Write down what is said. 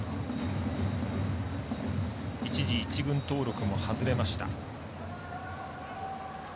一時１軍登録も外れました。